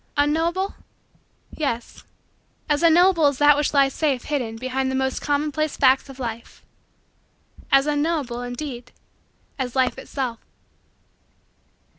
Unknowable? Yes as unknowable as that which lies safe hidden behind the most commonplace facts of life as unknowable indeed, as Life itself.